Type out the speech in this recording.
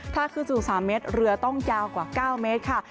ถ้าขึ้นสู่๓เมตรเรือต้องยาวกว่า๙เมตรค่ะ